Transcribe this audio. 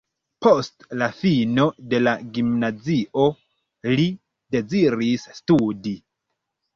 Post la fino de la gimnazio li deziris studi.